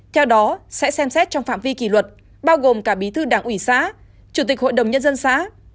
theo đó sẽ xem xét trong phạm vi kỳ luật bao gồm cả bí thư đảng ủy xã chủ tịch hội đồng nhân dân xã